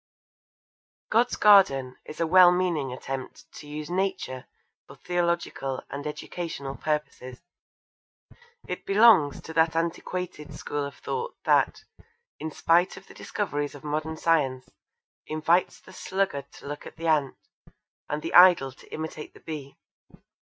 God's Garden is a well meaning attempt to use Nature for theological and educational purposes. It belongs to that antiquated school of thought that, in spite of the discoveries of modern science, invites the sluggard to look at the ant, and the idle to imitate the bee.